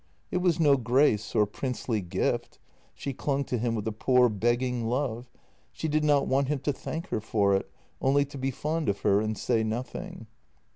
It was no grace or princely gift — she clung to him with a poor, begging love ; she did not want him to thank her for it, only to be fond of her and say nothing.